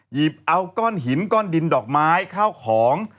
หยิบเอาก้อนหินก้อนดินดอกไม้ข้าวของ